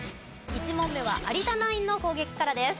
１問目は有田ナインの攻撃からです。